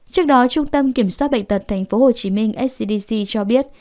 trước đó trung tâm kiểm soát bệnh tật tp hcm scdc cho biết